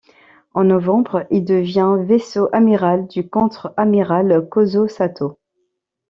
En novembre, il devient vaisseau amiral du Contre-amiral Kōzō Satō.